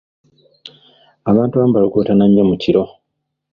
Abantu abamu balogootana nnyo mu kiro.